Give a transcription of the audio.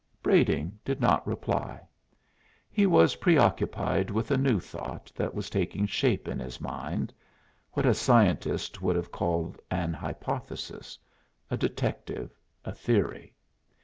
Brading did not reply; he was preoccupied with a new thought that was taking shape in his mind what a scientist would have called an hypothesis; a detective, a theory.